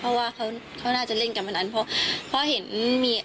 เพราะว่าเขาน่าจะเล่นการพนันเพราะเห็นมี